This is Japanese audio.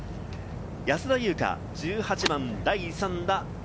安田祐香、１８番、第３打。